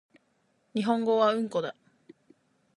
日本語はうんこだ